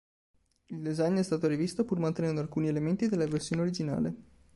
Il design è stato rivisto pur mantenendo alcuni elementi della versione originale.